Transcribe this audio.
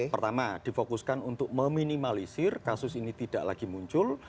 pertama difokuskan untuk meminimalisir kasus ini tidak lagi muncul